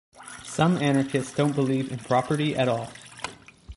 Some anarchists don't believe in property at all.